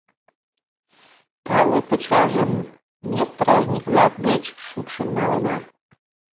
Тале пычалжым ме стражник-влак деч шупшын налына...